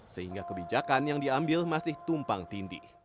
sehingga kebijakan yang diambil masih tumpang tindih